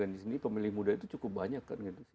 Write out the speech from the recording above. di sini pemilih muda itu cukup banyak